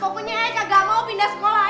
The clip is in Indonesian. hah kagak bisa